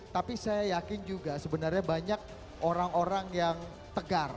tapi saya yakin juga sebenarnya banyak orang orang yang tegar